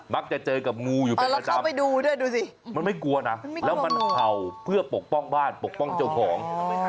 มักจะเจอกับงูอยู่ไปกระดำมันไม่กลัวนะแล้วมันเห่าเพื่อปกป้องบ้านปกป้องเจ้าของ